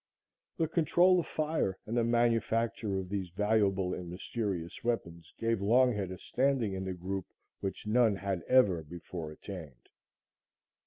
The control of fire and the manufacture of these valuable and mysterious weapons, gave Longhead a standing in the group which none had ever before attained.